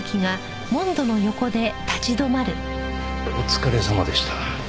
お疲れさまでした。